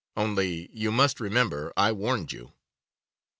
Only you must remember I warned you.